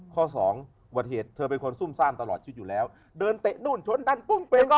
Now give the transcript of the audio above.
ข้อสองวัติเหตุเธอเป็นคนซุ่มซ่ามตลอดชีวิตอยู่แล้วเดินเตะนู่นชนดันปุ้งไปก็